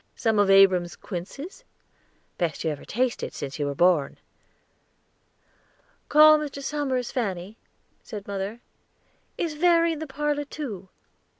"Some of Abram's quinces?" "Best you ever tasted, since you were born." "Call Mr. Somers, Fanny," said mother. "Is Verry in the parlor, too?"